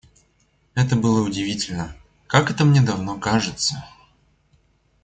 Это было удивительно... Как это мне давно кажется!